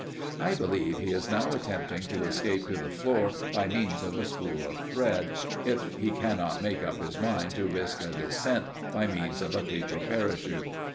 I believe he is now attempting to escape to the floor by means of a spool of thread, if he cannot make up his mind to risk a descent by means of a paper parachute.